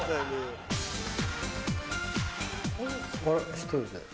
１人で。